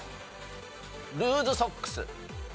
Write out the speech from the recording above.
ルーズソックス。